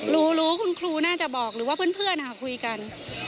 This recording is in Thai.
รู้รู้คุณครูน่าจะบอกหรือว่าเพื่อนคุยกัน